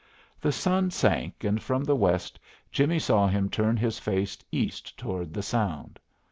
The sun sank and from the west Jimmie saw him turn his face east toward the Sound.